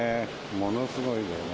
ものすごいんだよね。